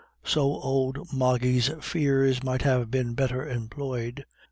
So old Moggy's fears might have been better employed.